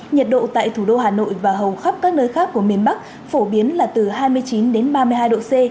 nhiệt độ tại thủ đô hà nội và hầu khắp các nơi khác của miền bắc phổ biến là từ hai mươi chín đến ba mươi hai độ c